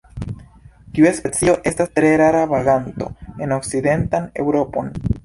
Tiu specio estas tre rara vaganto en okcidentan Eŭropon.